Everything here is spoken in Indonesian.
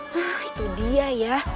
hah itu dia ya